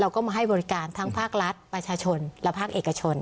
ก็มาให้บริการทั้งภาครัฐประชาชนและภาคเอกชน